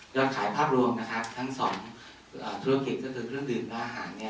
ยอดขายภาพรวมทั้ง๒ธุรกิจคือเครื่องดื่มและอาหาร